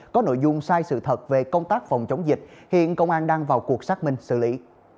có nội dung sai sự thật về công tác phòng chống dịch hiện công an đang vào cuộc xác minh xử lý